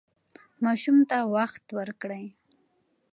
ماشوم ته وخت ورکړئ.